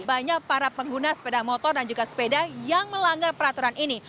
banyak para pengguna sepeda motor dan juga sepeda yang melanggar peraturan ini